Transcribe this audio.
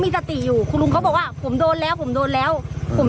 มีสติอยู่คุณลุงเขาบอกว่าผมโดนแล้วผมโดนแล้วผม